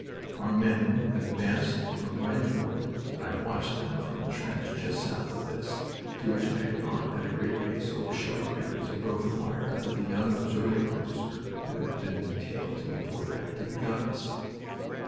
Our men had advanced from Wedge Wood, and I watched them from a trench just south of this, to which I had gone at a great pace over shell craters and broken wire, with a young observing officer who had been detailed to report back to the guns.